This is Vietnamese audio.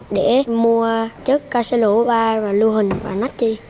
để mua chất ca xe lũ ba và lưu hình và nách chi